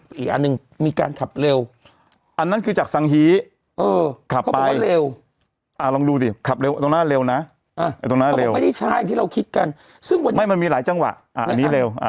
ตรงหน้าเร็วนะอ่าตรงหน้าเร็วไม่ได้ช้าอย่างที่เราคิดกันซึ่งวันนี้ไม่มันมีหลายจังหวะอ่าอันนี้เร็วอ่า